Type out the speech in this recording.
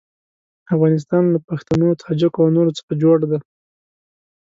افغانستان له پښتنو، تاجکو او نورو څخه جوړ دی.